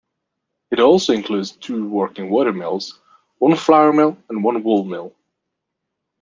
It also includes two working water mills: one flour mill and one wool mill.